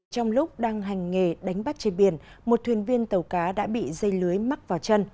trong lúc đang hành nghề đánh bắt trên biển một thuyền viên tàu cá đã bị dây lưới mắc vào chân